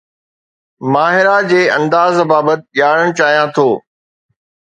ماهرا جي انداز بابت ڄاڻڻ چاهيان ٿو